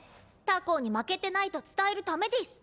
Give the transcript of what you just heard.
他校に負けてないと伝えるためデス。